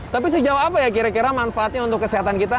tapi sejauh apa ya kira kira manfaatnya untuk kesehatan kita